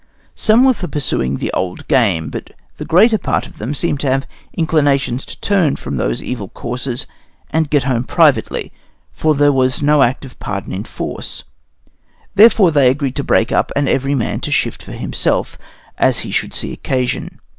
Some of them were for pursuing the old game, but the greater part of them seemed to have inclinations to turn from those evil courses, and get home privately, for there was no act of pardon in force; therefore they agreed to break up, and every man to shift for himself, as he should see occasion.